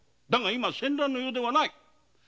だが今は戦乱の世ではない。